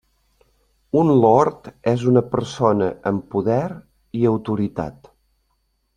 Un lord és una persona amb poder i autoritat.